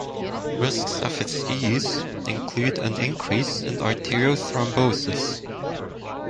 Risks of its use include an increase in arterial thrombosis.